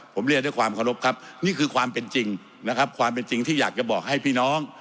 ผมเรียนด้วยความเคารพครับนี่คือความเป็นจริงนะครับความเป็นจริงที่อยากจะบอกให้พี่น้อง